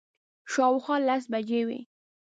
شاوخوا لس بجې وې.